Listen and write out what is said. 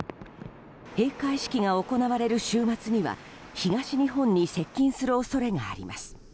閉会式が行われる週末には東日本に接近する恐れがあります。